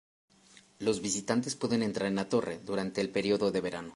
Los visitantes pueden entrar en la torre durante el período de verano.